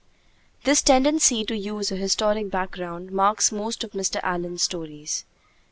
This tendency to use a historic background marks most of Mr. Allen's stories.